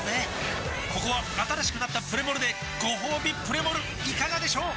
ここは新しくなったプレモルでごほうびプレモルいかがでしょう？